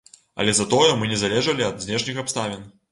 Але затое мы не залежалі ад знешніх абставін.